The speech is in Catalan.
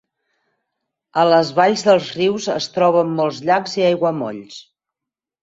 A les valls dels rius es troben molts llacs i aiguamolls.